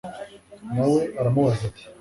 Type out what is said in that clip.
na we aramubaza ati